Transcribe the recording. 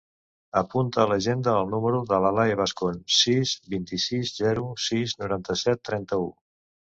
Apunta a l'agenda el número de l'Alae Bascon: sis, vint-i-sis, zero, sis, noranta-set, trenta-u.